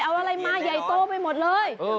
เอาอะไรมาใหญ่โตไปหมดเลย